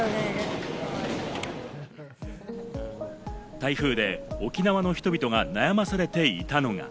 台風で沖縄の人々が悩まされていたのが。